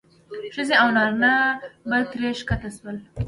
ښځې او نارینه به ترې ښکته شول.